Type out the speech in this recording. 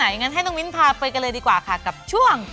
งั้นให้น้องมิ้นพาไปกันเลยดีกว่าค่ะกับช่วง